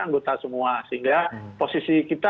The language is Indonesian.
anggota semua sehingga posisi kita